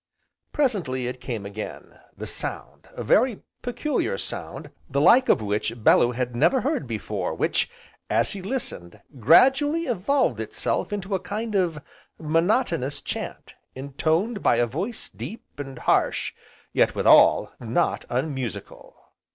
Presently it came again, the sound, a very peculiar sound the like of which Bellew had never heard before, which, as he listened, gradually evolved itself into a kind of monotonous chant, intoned by a voice deep, and harsh, yet withal, not unmusical.